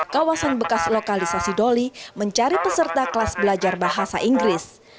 kawasan bekas lokalisasi doli mencari peserta kelas belajar bahasa inggris